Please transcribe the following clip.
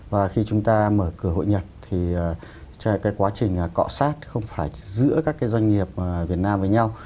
và khi chúng ta mở cửa hội nhập thì cái quá trình cọ sát không phải giữa các cái doanh nghiệp việt nam với nhau